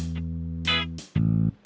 aku mau panggil nama atu